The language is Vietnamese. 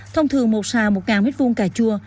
thông thường một xào một m hai cà chua